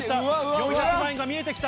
４００万円が見えて来た。